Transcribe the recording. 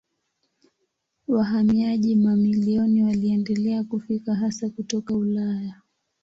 Wahamiaji mamilioni waliendelea kufika hasa kutoka Ulaya.